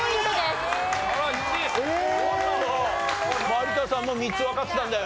有田さんも３つわかってたんだよね？